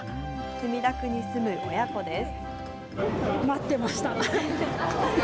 墨田区に住む親子です。